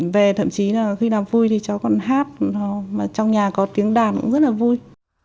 về thậm chí là khi nào vui thì cháu còn hát trong nhà có tiếng đàn cũng rất là vui